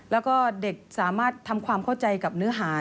แล้วก็เด็กสามารถทำความเข้าใจกับเนื้อหา